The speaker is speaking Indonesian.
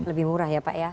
lebih murah ya pak ya